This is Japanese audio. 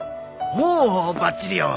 おうばっちりよ！